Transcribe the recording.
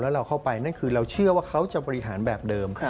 แล้วเราเข้าไปนั่นคือเราเชื่อว่าเขาจะบริหารแบบเดิม